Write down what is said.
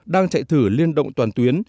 đang chạy thử liên động toàn tuyến